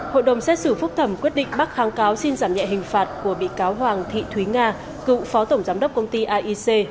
hội đồng xét xử phúc thẩm quyết định bác kháng cáo xin giảm nhẹ hình phạt của bị cáo hoàng thị thúy nga cựu phó tổng giám đốc công ty aic